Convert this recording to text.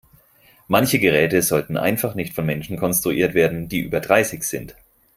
Manche Geräte sollten einfach nicht von Menschen konstruiert werden, die über dreißig sind.